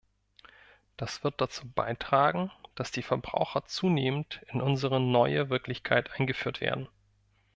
Das wird dazu beitragen, dass die Verbraucher zunehmend in unsere neue Wirklichkeit eingeführt werden.